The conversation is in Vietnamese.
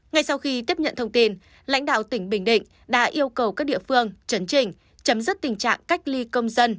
ngay sau khi tiếp nhận thông tin lãnh đạo tỉnh bình định đã yêu cầu các địa phương chấn trình chấm dứt tình trạng cách ly công dân